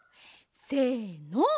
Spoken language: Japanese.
せの！